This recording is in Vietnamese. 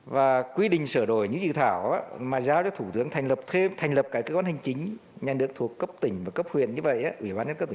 và quy định sở đổi như dự thảo mà giao cho thủ tướng thành lập các cơ quan hành chính nhà nước thuộc cấp tỉnh và cấp huyện như vậy